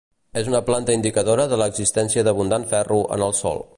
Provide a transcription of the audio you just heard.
És una planta indicadora de l'existència d'abundant ferro en el sòl.